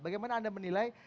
bagaimana anda menilai